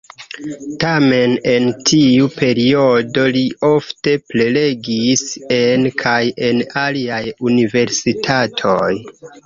Tamen en tiu periodo li ofte prelegis en kaj en aliaj universitatoj.